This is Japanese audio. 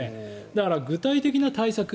だから、具体的な対策。